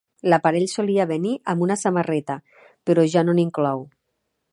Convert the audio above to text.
L'aparell solia venir amb una samarreta, però ja no n'inclou.